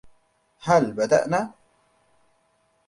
هل بدأنا؟